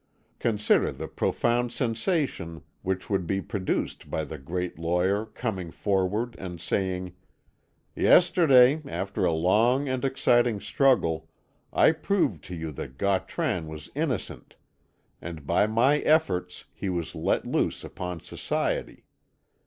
Consider the profound sensation which would be produced by the great lawyer coming forward and saying, 'Yesterday, after a long and exciting struggle, I proved to you that Gautran was innocent, and by my efforts he was let loose upon society.